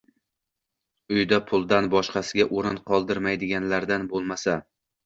uyida puldan boshqasiga o'rin qoldirmaydiganlardan bo'lmasa